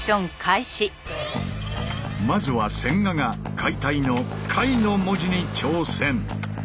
まずは千賀が「解体」の「解」の文字に挑戦！